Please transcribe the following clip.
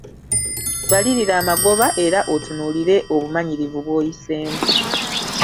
Balirira amagoba era otunuulire obumanyirivu bw’oyiseemu.